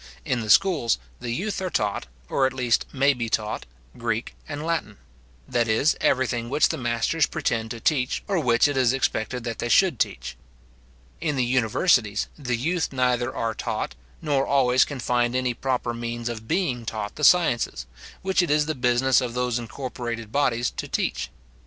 In the schools, the youth are taught, or at least may be taught, Greek and Latin; that is, everything which the masters pretend to teach, or which it is expected they should teach. In the universities, the youth neither are taught, nor always can find any proper means of being taught the sciences, which it is the business of those incorporated bodies to teach.